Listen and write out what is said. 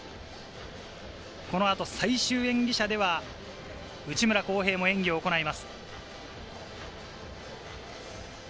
この後、最終演技者では内村航平も演技を行います。